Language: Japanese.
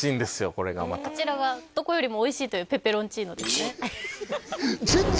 これがまたこちらがどこよりもおいしいというペペロンチーノです